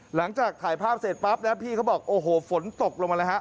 หลังจากถ่ายภาพเสร็จปั๊บนะพี่เขาบอกโอ้โหฝนตกลงมาแล้วฮะ